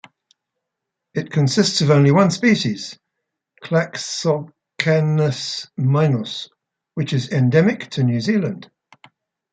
It consists of only one species, Cladoxycanus minos, which is endemic to New Zealand.